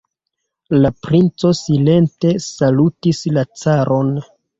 La princo silente salutis la caron.